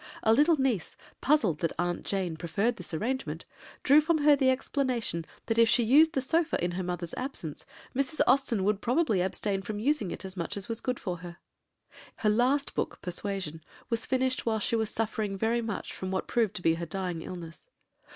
A little niece, puzzled that "Aunt Jane" preferred this arrangement, drew from her the explanation that if she used the sofa in her mother's absence, Mrs. Austen would probably abstain from using it as much as was good for her. Her last book, Persuasion, was finished while she was suffering very much from what proved to be her dying illness.